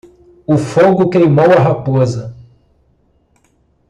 O fogo queimou a raposa.